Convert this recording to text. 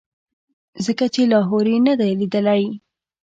ځکه چې لاهور یې نه دی لیدلی.